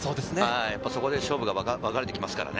そこで勝負がわかれてきますからね。